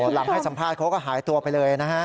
หลังให้สัมภาษณ์เขาก็หายตัวไปเลยนะฮะ